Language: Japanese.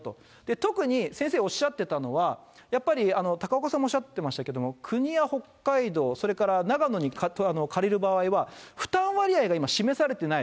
特に先生おっしゃってたのは、やっぱり、高岡さんもおっしゃってましたけども、国や北海道、それから長野に借りる場合は、負担割合が、今、示されてない。